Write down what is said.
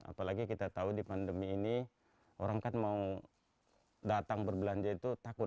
apalagi kita tahu di pandemi ini orang kan mau datang berbelanja itu takut